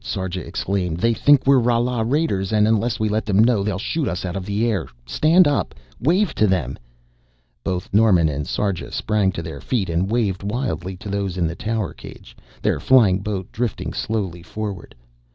Sarja exclaimed. "They think we're Rala raiders and unless we let them know they'll shoot us out of the air! Stand up wave to them !" Both Norman and Sarja sprang to their feet and waved wildly to those in the tower cage, their flying boat drifting slowly forward.